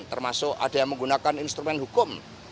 termasuk ada yang menggunakan instrumen hukum